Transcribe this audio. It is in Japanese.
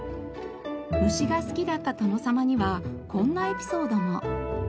虫が好きだった殿様にはこんなエピソードも。